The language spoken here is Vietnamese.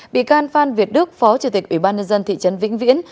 bị can phan việt đức phó chủ tịch ủy ban nhân dân thị trấn vĩnh viễn